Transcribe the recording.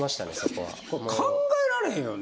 考えられへんよね。